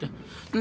何？